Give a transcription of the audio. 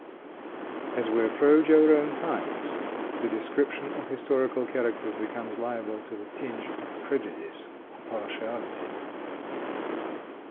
As we approach our own times, the description of historical characters becomes liable to the tinge of prejudice or partiality.